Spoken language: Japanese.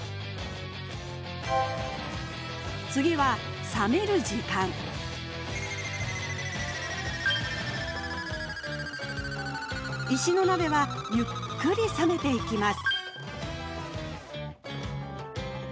次は冷める時間石の鍋はゆっくり冷めていきます